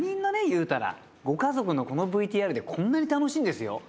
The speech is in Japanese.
言うたらご家族のこのＶＴＲでこんなに楽しいんですよ。